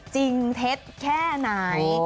จริงเททแค่ไหน